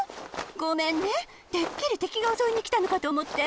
ごめんねてっきりてきがおそいにきたのかとおもって。